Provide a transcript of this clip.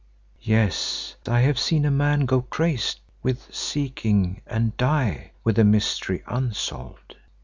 Yes, I have seen a man go crazed with seeking and die with the mystery unsolved.